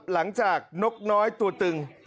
หลังจากนกน้อยตัวตึง